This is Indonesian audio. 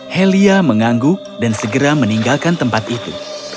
helia mengangguk dan segera meninggalkan tempat itu